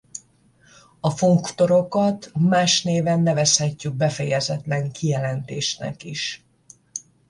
A funktorokat más néven nevezhetjük befejezetlen kijelentésnek is.